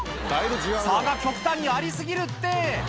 「差が極端にあり過ぎるって！」